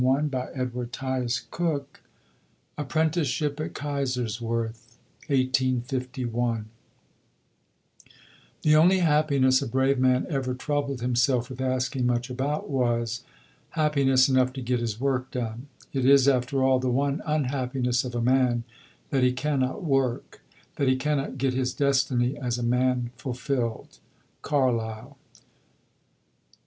CHAPTER VIII APPRENTICESHIP AT KAISERSWERTH (1851) The only happiness a brave man ever troubled himself with asking much about was, happiness enough to get his work done. It is, after all, the one unhappiness of a man, that he cannot work; that he cannot get his destiny as a man fulfilled. CARLYLE.